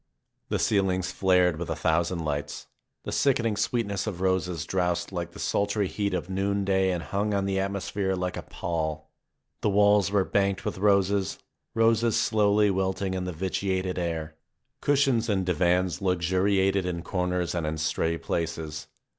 The ceilings flared with a thousand lights; the sickening sweetness of roses drowsed like the sultry heat of noonday and hung on the atmosphere like a pall ; the walls were banked with roses, roses slowly wilting in the vitiated air. Cushions and divans luxuriated in comers and in stray places.